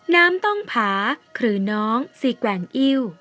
น้ำต้องผาหรือน้องซีแกว่งอิ้ว